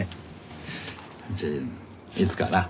じゃあいつかな。